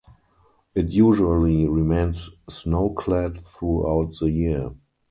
It usually remains snow clad throughout the year.